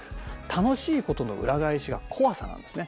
楽しいことの裏返しが怖さなんですね。